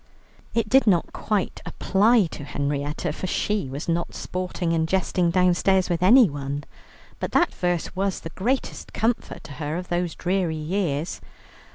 It did not quite apply to Henrietta, for she was not sporting and jesting downstairs with anyone, but that verse was the greatest comfort to her of those dreary years.